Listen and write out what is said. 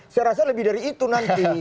saya rasa lebih dari itu nanti